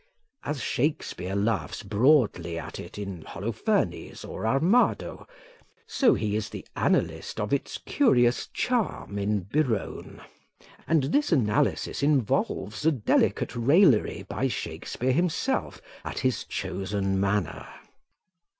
As Shakespeare laughs broadly at it in Holofernes or Armado, so he is the analyst of its curious charm in Biron; and this analysis involves a delicate raillery by Shakespeare himself at his own chosen manner.